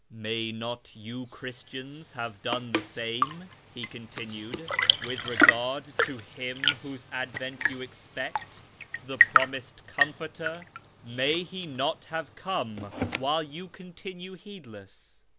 " May not you Christians have done the same," he con tinued, " with regard to Him whose advent you expect, the promised ' Comforter '? May He not have come, while you continue heedless